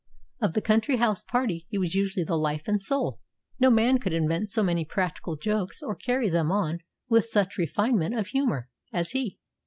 Of the country house party he was usually the life and soul. No man could invent so many practical jokes or carry them on with such refinement of humour as he.